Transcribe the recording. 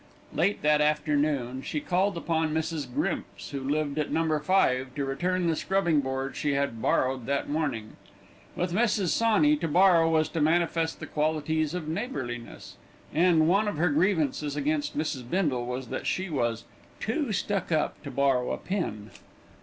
Late that afternoon, she called upon Mrs. Grimps, who lived at No. 5, to return the scrubbing board she had borrowed that morning. With Mrs. Sawney, to borrow was to manifest the qualities of neighbourliness, and one of her grievances against Mrs. Bindle was that she was "too stuck up to borrow a pin."